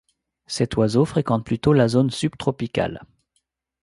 Cet oiseau fréquente plutôt la zone subtropicale.